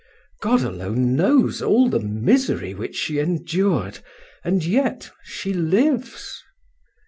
God alone knows all the misery which she endured, and yet she lives.